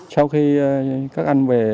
sau khi các anh về ở and com